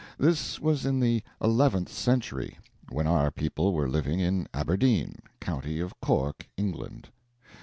This was in the eleventh century, when our people were living in Aberdeen, county of Cork, England.